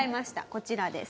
こちらです。